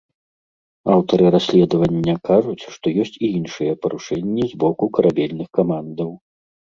Аўтары расследавання кажуць, што ёсць і іншыя парушэнні з боку карабельных камандаў.